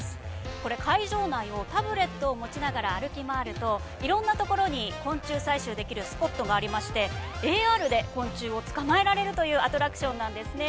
これ、会場内をタブレットを持ちながら歩き回ると色んなところに昆虫採集できるスポットがありましてＡＲで昆虫を捕まえられるというアトラクションなんですね。